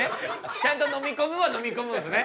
ちゃんと飲み込むは飲み込むんですね。